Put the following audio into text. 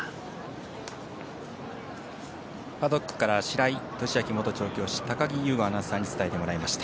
パドックから白井寿昭元調教師高木優吾アナウンサーに伝えてもらいました。